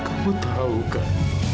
kamu tahu kan